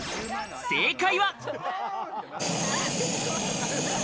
正解は。